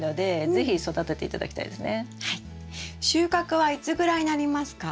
収穫はいつぐらいになりますか？